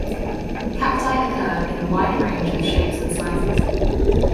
Cacti occur in a wide range of shapes and sizes.